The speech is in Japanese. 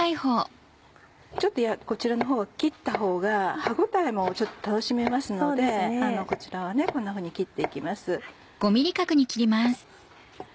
ちょっとこちらのほうは切ったほうが歯応えも楽しめますのでこちらはこんなふうに切って行きます。